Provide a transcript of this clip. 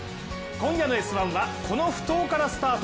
今夜の「Ｓ☆１」はこのふ頭からスタート。